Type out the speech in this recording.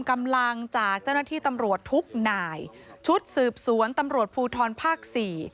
กำลังจากเจ้าหน้าที่ตำรวจทุกนายชุดสืบสวนตำรวจภูทรภาคสี่